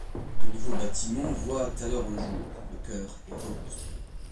De nouveaux bâtiments voient alors le jour, le chœur est reconstruit.